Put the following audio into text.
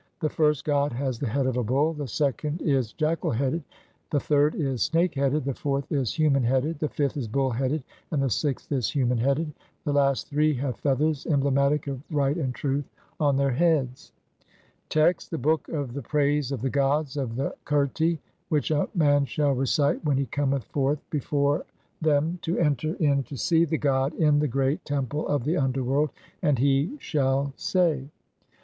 The first god has the head of a bull, the second is jackal headed, the third is snake headed, the fourth is human headed, the fifth is bull headed, and the sixth is human headed. The last three have feathers, emblematic of right and truth, on their heads. Text : (1) The Book of the praise of the gods of the QERTI 1 WHICH A MAN SHALL RECITE WHEN HE COMETH FORTH BEFORE THEM TO ENTER IN TO SEE THE GOD IN THE GREAT TEMPLE OF THE UNDERWORLD. And he shall say :— 1. /. e , districts or divisions of the underworld.